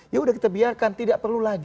ya udah kita biarkan tidak perlu lagi